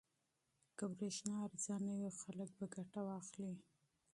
که برېښنا ارزانه وي خلک به ګټه واخلي.